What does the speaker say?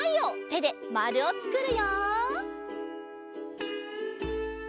てでまるをつくるよ。